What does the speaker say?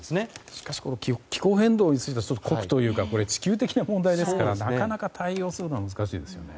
しかし気候変動については酷というか地球的な問題ですからなかなか対応するのは難しいですよね。